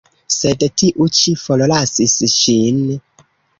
Sed tiu ĉi forlasis ŝin.